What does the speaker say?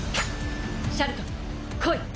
シャルト来い。